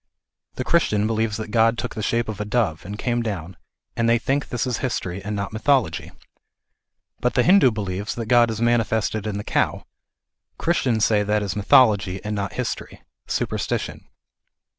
The Christian believes that God took the shape of a dove, and came down, and they think this is history, and not mythology. But the Hindu believes that God is mani fested in the cow. Christians say that is mythology, and not history : superstition.